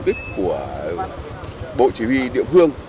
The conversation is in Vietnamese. bộ chỉ huy địa phương